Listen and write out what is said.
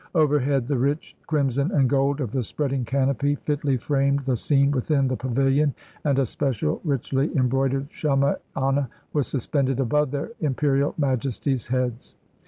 Overhead, the rich crimson and gold of the spreading canopy, fitly framed the scene within the pavilion, and a special richly em broidered shamiana was suspended above Their Imperial Majesties' heads.